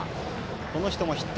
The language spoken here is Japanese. この人もヒット。